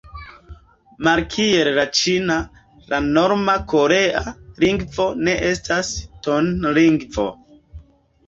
Malkiel la ĉina, la norma korea lingvo ne estas tonlingvo.